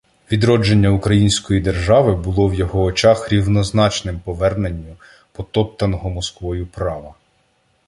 Відродження Української держави було в його очах рівнозначним поверненню потоптаного Москвою права